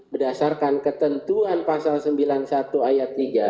berdasarkan ketentuan pasal sembilan puluh satu ayat tiga